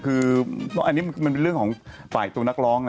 คืออันนี้มันเป็นเรื่องของฝ่ายตัวนักร้อง